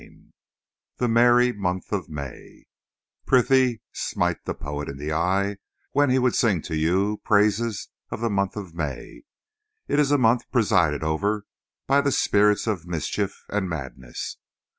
IX THE MARRY MONTH OF MAY Prithee, smite the poet in the eye when he would sing to you praises of the month of May. It is a month presided over by the spirits of mischief and madness.